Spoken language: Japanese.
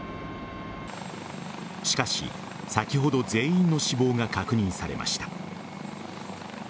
しかし、先ほど全員の死亡が確認されました。